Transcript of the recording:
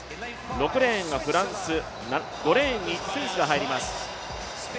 ６レーンがフランス、５レーンにスイスが入ります。